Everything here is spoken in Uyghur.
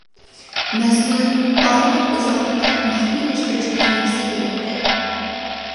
مەسىلەن بارماق ئىزى ئارقىلىق مەخپىيلەشتۈرۈش تېخنىكىسى دېگەندەك.